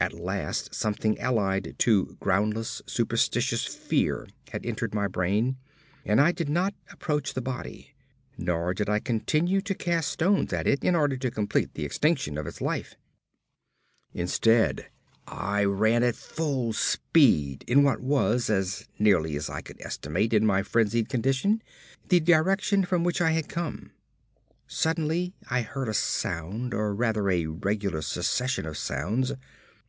At last something allied to groundless, superstitious fear had entered my brain, and I did not approach the body, nor did I continue to cast stones at it in order to complete the extinction of its life. Instead, I ran at full speed in what was, as nearly as I could estimate in my frenzied condition, the direction from which I had come. Suddenly I heard a sound or rather, a regular succession of sounds.